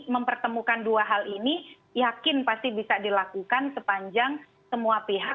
mempertemukan dua hal ini yakin pasti bisa dilakukan sepanjang semua pihak